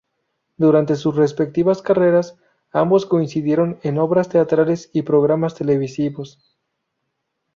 Durante sus respectivas carreras, ambos coincidieron en obras teatrales y programas televisivos.